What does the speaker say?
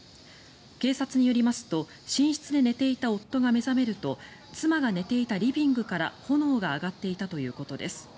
警察によりますと寝室で寝ていた夫が目覚めると妻が寝ていたリビングから炎が上がっていたということです。